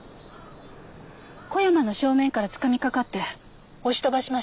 小山の正面からつかみかかって押し飛ばしました。